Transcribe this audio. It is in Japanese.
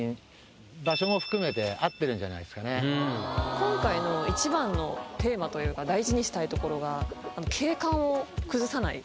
今回の一番のテーマというか大事にしたいところが。